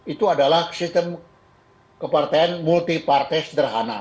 itu adalah sistem kepartean multi parte sederhana